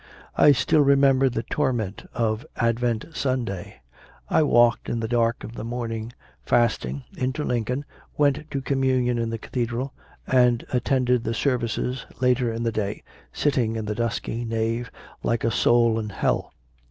I still remember the torment of Advent Sunday. I walked in the dark of the morning, fasting, into Lincoln, went to Communion in the Cathedral, and attended the services later in the day, sitting in the dusky nave, like a soul in hell.